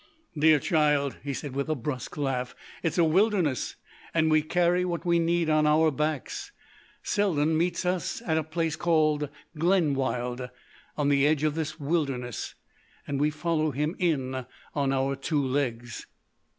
"Dear child," he said with a brusque laugh, "it's a wilderness and we carry what we need on our backs. Selden meets us at a place called Glenwild, on the edge of this wilderness, and we follow him in on our two legs."